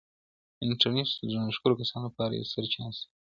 انټرنیټ د نوښتګرو کسانو لپاره یو ستر چانس دی.